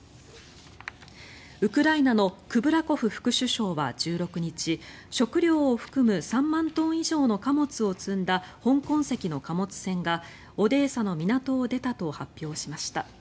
ウクライナのクブラコフ副首相は１６日食糧を含む３万トン以上の貨物を積んだ香港籍の貨物船がオデーサの港を出たと発表しました。